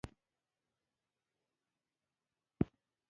یو سل او پنځه نوي یمه پوښتنه د مارکیټینګ په اړه ده.